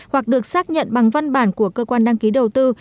hoặc được xác nhận bằng văn bản của cơ quan đăng ký đầu tư